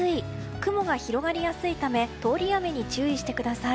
雲が広がりやすいため通り雨に注意してください。